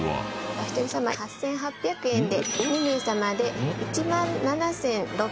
お一人様８８００円で２名様で１万７６００円でございますね。